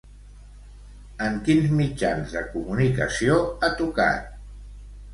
En quins mitjans de comunicació ha tocat?